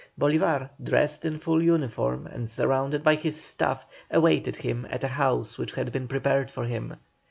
Bolívar, dressed in full uniform and surrounded by his staff, awaited him at a house which had been prepared for him.